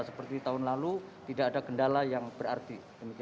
seperti tahun lalu tidak ada kendala yang berarti